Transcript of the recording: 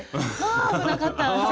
あ危なかった！